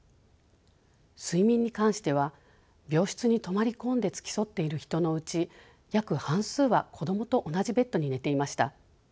睡眠に関しては病室に泊まり込んで付き添っている人のうち約半数は子どもと同じベッドに寝ていました。